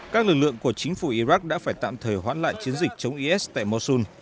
các lực lượng của chính phủ iraq đã phải tạm thời hoãn lại chiến dịch chống is tại mausun